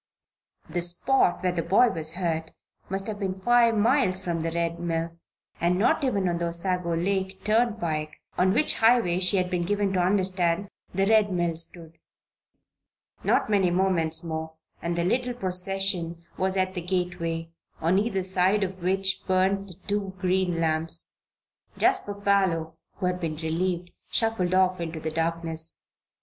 The spot where the boy was hurt must have been five miles from the Red Mill, and not even on the Osago Lake turnpike, on which highway she had been given to understand the Red Mill stood. Not many moments more and the little procession was at the gateway, on either side of which burned the two green lamps. Jasper Parloe, who had been relieved, shuffled off into the darkness.